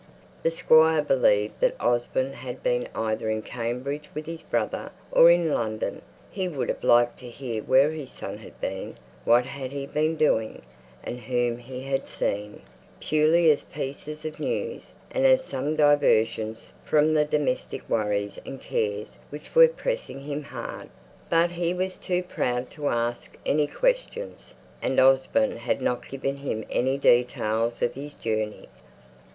The Squire believed that Osborne had been either at Cambridge with his brother, or in London; he would have liked to hear where his son had been, what he had been doing, and whom he had seen, purely as pieces of news, and as some diversion from the domestic worries and cares which were pressing him hard; but he was too proud to ask any questions, and Osborne had not given him any details of his journey.